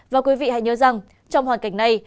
và quý vị hãy nhớ rằng trong hoàn cảnh này